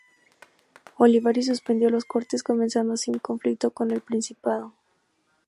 Olivares suspendió las Cortes, comenzando así un conflicto con el Principado.